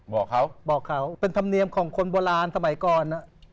บอกเขาบอกเขาเป็นธรรมเนียมของคนโบราณสมัยก่อน